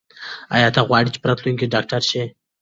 ایا ته غواړې چې په راتلونکي کې ډاکټر شې؟